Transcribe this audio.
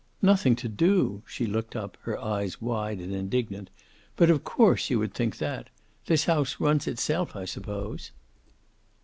"Nothing to do," she looked up, her eyes wide and indignant. "But of course you would think that. This house runs itself, I suppose."